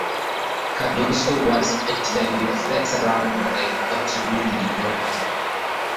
Cardoso was elected in the first round by an absolute majority.